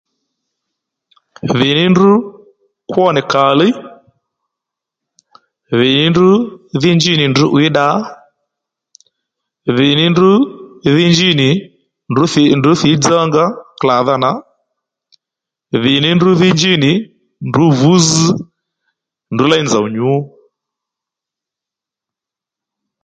Dhì ní ndrǔ kwó nì kàli dhì ní ndrǔ dhí nji nì ndrǔ 'wiy dda dhì ní ndrǔ dhí nji nì ndrǔ thǐy dzánga klàdha nà dhì ní ndrǔ dhí nji nì ndrǔ vǔ zz ndrǔ léy nzòw nyǔ